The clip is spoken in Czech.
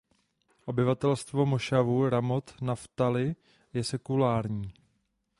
Obyvatelstvo mošavu Ramot Naftali je sekulární.